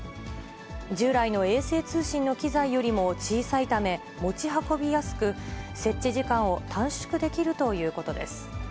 従来の衛星通信の機材よりも小さいため、持ち運びやすく、設置時間を短縮できるということです。